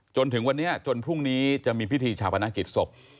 จนถึงวันนี้จนพรุ่งนี้จะมีพิธีชาปนกิจศพ